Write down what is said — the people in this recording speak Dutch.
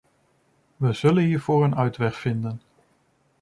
We zullen hiervoor een uitweg vinden.